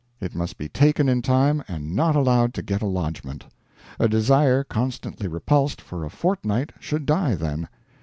It must be taken in time and not allowed to get a lodgment. A desire constantly repulsed for a fortnight should die, then.